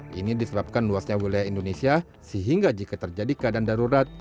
hal ini disebabkan luasnya wilayah indonesia sehingga jika terjadi keadaan darurat